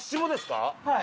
はい。